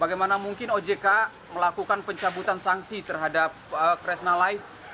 bagaimana mungkin ojk melakukan pencabutan sanksi terhadap kresna life